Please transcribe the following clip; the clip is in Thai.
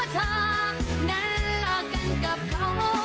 เธอนั้นลากันกับเขา